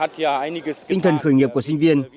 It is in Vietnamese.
tinh thần khởi nghiệp của sinh viên